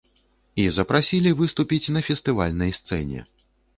І запрасілі выступіць на фестывальнай сцэне.